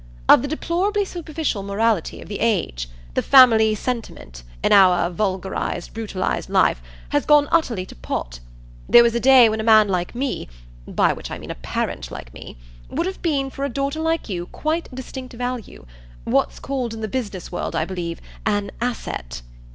"Of the deplorably superficial morality of the age. The family sentiment, in our vulgarised brutalised life, has gone utterly to pot. There was a day when a man like me by which I mean a parent like me would have been for a daughter like you quite a distinct value; what's called in the business world, I believe, an 'asset.'"